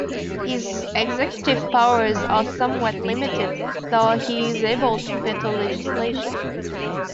His executive powers are somewhat limited, though he is able to veto legislation.